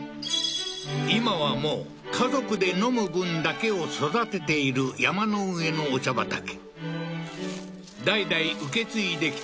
今はもう家族で飲む分だけを育てている山の上のお茶畑代々受け継いできた